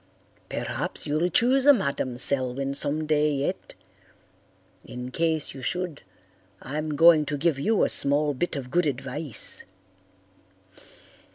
Perhaps you'll choose a Madam Selwyn some day yet. In case you should I'm going to give you a small bit of good advice.